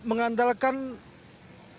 dia mengandalkan keinginan dia sendiri